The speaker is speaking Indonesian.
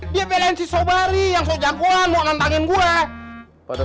dia pilih si sobari yang sok jagoan mau nantangin gue